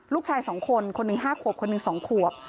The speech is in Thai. ลูกชาย๒คนคนหนึ่ง๕ขวบคนหนึ่ง๒ขวบ